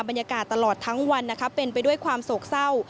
บรรยากาศตลอดทั้งวันนะคะเป็นไปด้วยความโศกเศร้า